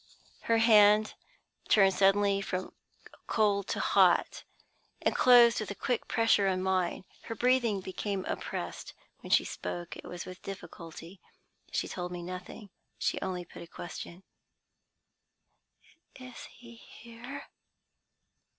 Her hand turned suddenly from cold to hot, and closed with a quick pressure on mine. Her breathing became oppressed. When she spoke, it was with difficulty. She told me nothing; she only put a question: "'Is he here?'